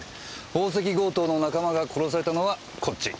宝石強盗の仲間が殺されたのはこっち。